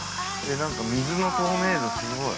◆水の透明度すごい。